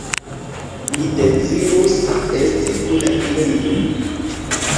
Mi dezirus esti kun ili.